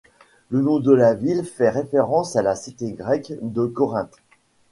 Le nom de la ville fait référence à la cité grecque de Corinthe.